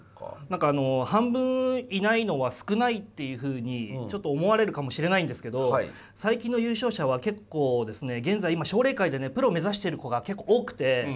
何かあの半分いないのは少ないっていうふうにちょっと思われるかもしれないんですけど最近の優勝者は結構ですね現在今奨励会でねプロを目指してる子が結構多くて。